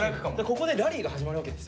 ここでラリーが始まるわけですよ。